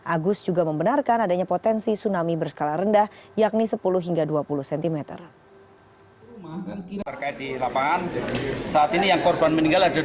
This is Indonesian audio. agus juga membenarkan adanya potensi tsunami berskala rendah yakni sepuluh hingga dua puluh cm